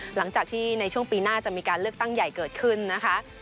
ในช่วงปีหน้าจะมีการเลือกตั้งใหญ่เกิดขึ้นนะคะ